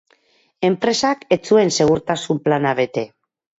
Enpresak ez zuen segurtasun plana bete.